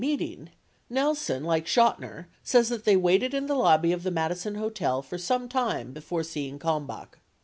meeting, Nelson, like Chotiner, says that they waited in the lobby of the Madison Hotel for some time before see ing Kalmbach.